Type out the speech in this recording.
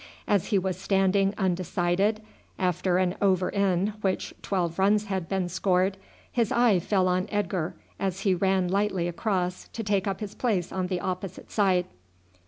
As he was standing undecided after an over in which twelve runs had been scored, his eye fell on Edgar as he ran lightly across to take up his place on the opposite side.